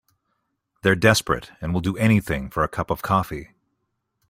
They're desperate and will do anything for a cup of coffee.